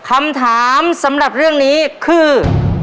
คำถามสำหรับเรื่องนี้คือ